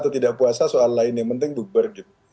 atau tidak puasa soal lain yang penting buber gitu